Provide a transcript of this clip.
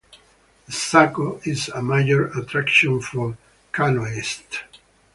The Saco is a major attraction for canoeists.